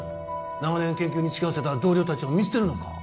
長年研究に付き合わせた同僚達を見捨てるのか？